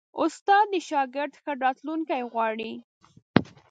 استاد د شاګرد ښه راتلونکی غواړي.